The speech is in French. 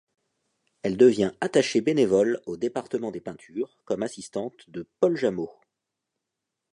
Elle devient attachée bénévole au département des peintures, comme assistante de Paul Jamot.